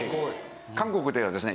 韓国ではですね